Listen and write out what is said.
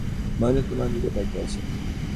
মানে, তোমার দিকে তাকিয়ে আছে।